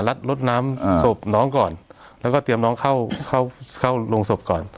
รถน้ำศพน้องก่อนแล้วก็เตรียมน้องเข้าเข้าโรงศพก่อน